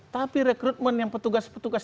tapi rekrutmen yang petugas petugas